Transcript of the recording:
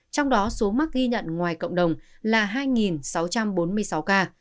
trong đó số mắc ghi nhận ngoài cộng đồng là hai sáu trăm bốn mươi sáu ca